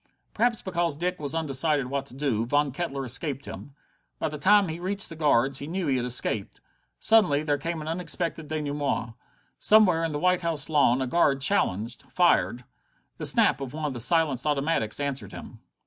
Perhaps because Dick was undecided what to do, Von Kettler escaped him. By the time he reached the guards he knew he had escaped. Suddenly there came an unexpected denouement. Somewhere on the White House lawn a guard challenged, fired. The snap of one of the silenced automatics answered him.